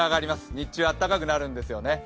日中あったかくなるんですよね。